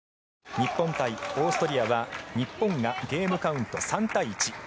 日本対オーストリアは日本がゲームカウント３対１。